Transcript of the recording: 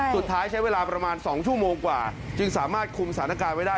สุดท้ายใช้เวลาประมาณ๒ชั่วโมงกว่าจึงสามารถคุมสถานการณ์ไว้ได้